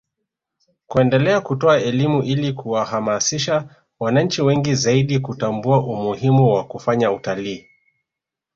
kuendelea kutoa elimu ili kuwahamasisha wananchi wengi zaidi kutambua umuhimu wa kufanya utalii